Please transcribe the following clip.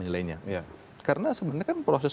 nilainya karena sebenarnya kan proses